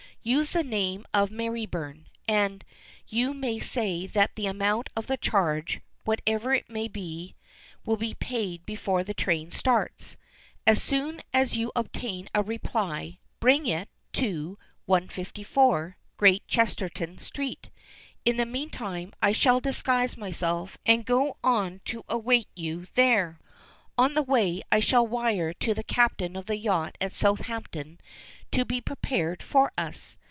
Use the name of Merryburn, and you may say that the amount of the charge, whatever it may be, will be paid before the train starts. As soon as you obtain a reply, bring it to 154, Great Chesterton Street. In the meantime I shall disguise myself and go on to await you there. On the way I shall wire to the captain of the yacht at Southampton to be prepared for us.